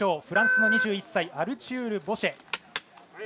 フランスの２１歳アルチュール・ボシェ。